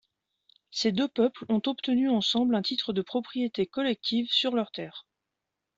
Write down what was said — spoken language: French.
Ces deux peuples ont obtenu ensemble un titre de propriété collective sur leurs terres.